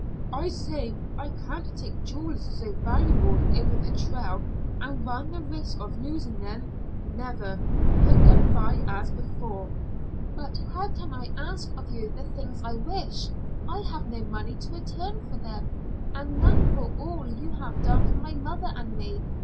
"I say, I can't take jewels so valuable over the trail and run the risk of losing them. Never! Put them by as before." "But how can I ask of you the things I wish? I have no money to return for them, and none for all you have done for my mother and me.